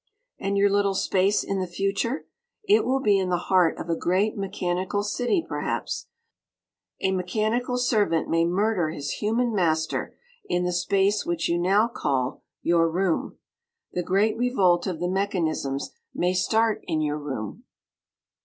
And your little Space in the Future? It will be in the heart of a great mechanical city, perhaps. A mechanical servant may murder his human master in the space which you now call your room. The great revolt of the mechanisms may start in your room....